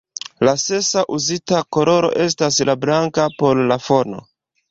La sesa uzita koloro estas la blanka por la fono.